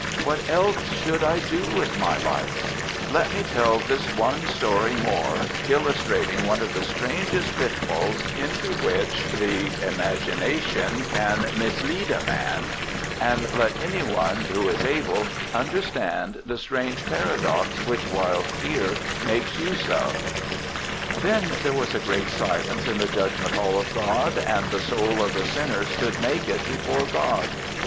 What else should I do with my life?"' Let me tell this one story more, illustrating one of the strangest pitfalls into which the imagination can mislead a man, and let any one, who is able, understand the strange paradox which Wilde here makes use of: 'Then there was a great silence in the Judgment Hall of God. And the Soul of the sinner stood naked before God.